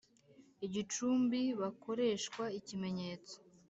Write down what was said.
igicumbi bakoreshwa ikimenyetso